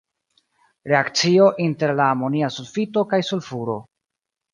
Reakcio inter la amonia sulfito kaj sulfuro.